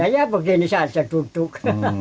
ya begini saja duduk